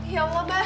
ya allah mbak